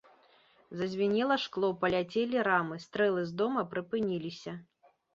Зазвінела шкло, паляцелі рамы, стрэлы з дома прыпыніліся.